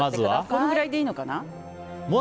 このくらいでいいのかな？